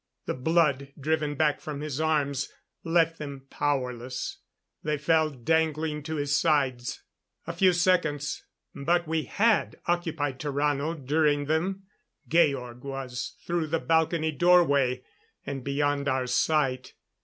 The blood, driven back from his arms, left them powerless; they fell dangling to his sides. A few seconds; but we had occupied Tarrano during them. Georg was through the balcony doorway and beyond our sight.